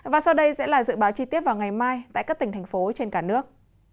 và sau đây sẽ là dự báo chi tiết vào ngày mai tại các tỉnh thành phố trên cả nước